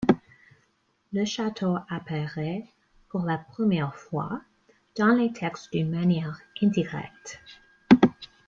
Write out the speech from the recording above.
Le château apparaît pour la première fois dans les textes d'une manière indirecte.